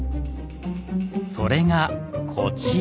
それがこちら。